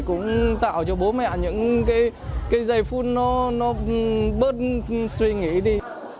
cũng tạo cho bố mẹ những cái giây phút nó bớt suy nghĩ đi